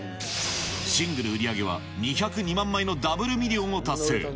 シングル売り上げは２０２万枚のダブルミリオンを達成。